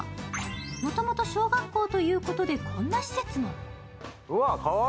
もともと小学校ということでこんな施設も。